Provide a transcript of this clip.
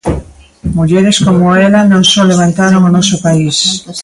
Mulleres coma ela non só levantaron o noso país.